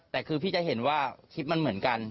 แต่คือพี่จะเห็นว่าคลิปมันเหมือนกัน